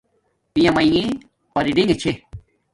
پیامینݣ پرڈݣ چھے